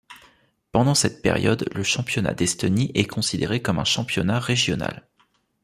Pendant cette période le championnat d'Estonie est considéré comme un championnat régional.